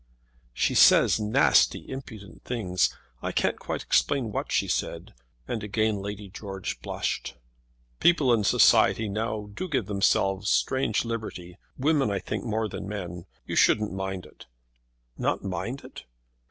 "She says nasty, impudent things. I can't quite explain what she said." And again Lady George blushed. "People in society now do give themselves strange liberty; women, I think, more than men. You shouldn't mind it." "Not mind it?"